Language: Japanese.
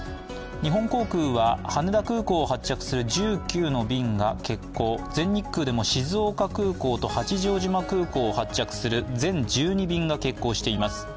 日本航空は羽田空港を発着する１９の便が欠航、全日空でも静岡空港と八丈島空港を発着する全１２便が欠航しています。